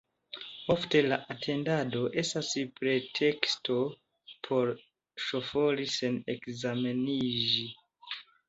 Ofte la atendado estas preteksto por ŝofori sen ekzameniĝi.